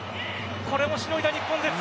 これもしのいだ日本です。